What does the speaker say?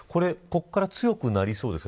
ここから強くなりそうですか。